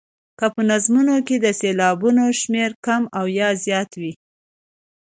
که په نظمونو کې د سېلابونو شمېر کم او زیات وي.